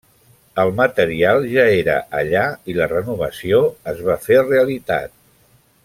El material ja era allà i la renovació es va fer realitat.